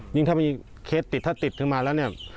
ยิ่งถ้ามีเคสติดถ้าติดขึ้นมาแล้วเนี่ย